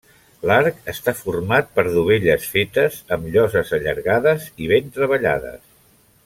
L'arc està format per dovelles fetes amb lloses allargades i ben treballades.